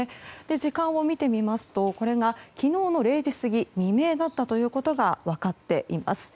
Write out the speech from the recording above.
時間を見てみますとこれが昨日の０時過ぎ未明だったということが分かっています。